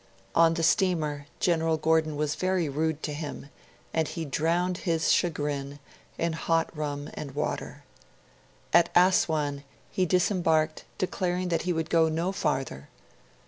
On the steamer, General Gordon was very rude to him, and he drowned his chagrin in hot rum and water. At Assuan he disembarked, declaring that he would go no farther.